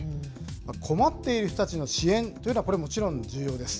困っている人たちの支援というのは、これもちろん重要です。